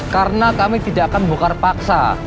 karena kami tidak akan membukar paksa